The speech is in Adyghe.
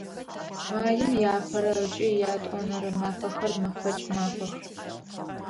Маим иапэрэ ыкӏи иятӏонэрэ мафэхэр мэфэкӏ мафэх.